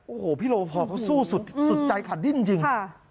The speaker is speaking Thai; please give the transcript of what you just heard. โอ้โหพี่ราปพาก็สู้สุดใจขาดดิ้นจริง